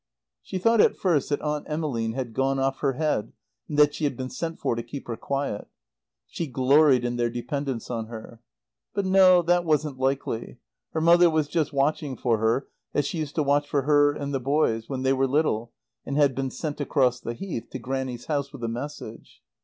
She thought at first that Aunt Emmeline had gone off her head and that she had been sent for to keep her quiet. She gloried in their dependence on her. But no, that wasn't likely. Her mother was just watching for her as she used to watch for her and the boys when they were little and had been sent across the Heath to Grannie's house with a message.